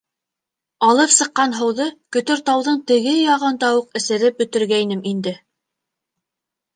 Алып сыҡҡан һыуҙы Көтөртауҙың теге яғында уҡ эсереп бөтөргәйнем инде.